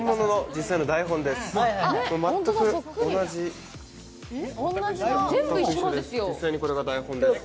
実際にこれが台本です。